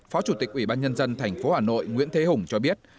phó chủ tịch ủy ban nhân dân tp hà nội nguyễn thế hùng cho biết